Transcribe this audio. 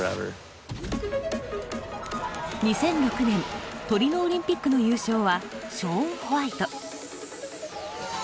２００６年トリノオリンピックの優勝はショーン・ホワイト。